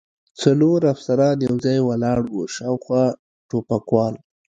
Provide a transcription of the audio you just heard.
څلور افسران یو ځای ولاړ و، شاوخوا ټوپکوال.